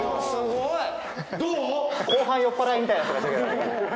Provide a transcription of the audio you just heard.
すごい。